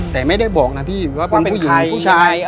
แต่ไม่ได้บอกนะพี่ว่าเป็นผู้หญิงหรือผู้ชาย